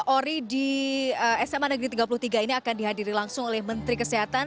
ori di sma negeri tiga puluh tiga ini akan dihadiri langsung oleh menteri kesehatan